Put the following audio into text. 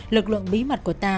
lực lượng bí mật của ta